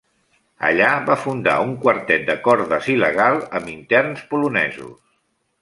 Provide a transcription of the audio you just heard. Allà va fundar un quartet de cordes il·legal amb interns polonesos.